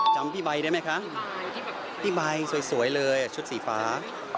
จำพี่ใบได้ไหมคะพี่ใบสวยเลยชุดสีฟ้า